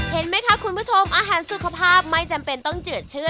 เห็นไหมคะคุณผู้ชมอาหารสุขภาพไม่จำเป็นต้องเจือดเชื่อ